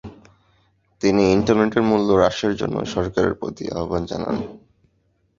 তিনি ইন্টারনেটের মূল্য হ্রাসের জন্য সরকারের প্রতি আহ্বান জানান।